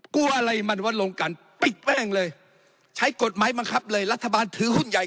กลัวอะไรมันว่าลงกันปิดแว้งเลยใช้กฎหมายบังคับเลยรัฐบาลถือหุ้นใหญ่